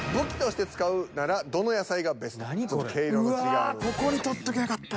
うわここに取っときゃよかった。